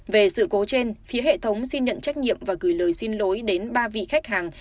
về sự cố trên phía hệ thống xin nhận trách nhiệm và gửi lời xin lỗi đến ba vị khách hàng